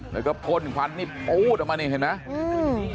แล้วก็พลควันนิดโอ้วเอามานี่เห็นไหม